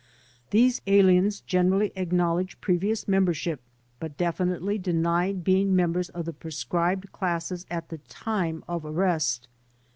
These aliens generally ac knowledge previous membership but definitely denied being members of the proscribed classes at the time of arrest.